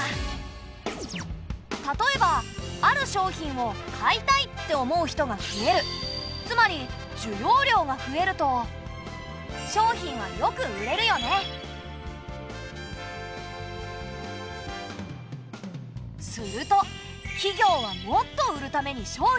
たとえばある商品を「買いたい！」って思う人が増えるつまり需要量が増えるとすると企業はもっと売るために商品を作る。